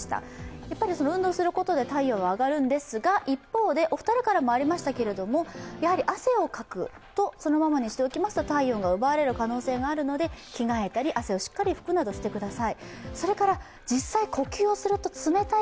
やっぱり、運動することで体温は上がるんですが汗をかくとそのままにしておくと体温が奪われる可能性があるので、着替えたり、汗をしっかり拭くなどしてください。